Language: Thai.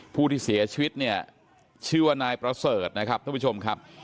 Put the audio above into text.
ผู้ที่เสียชีวิตเนี่ยชื่อว่านายประเสริฐนะครับท่านผู้ชมครับ